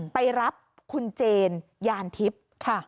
ไปรับคุณเจนยานทิพย์